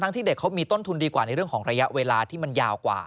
ที่เด็กเขามีต้นทุนดีกว่าในเรื่องของระยะเวลาที่มันยาวกว่า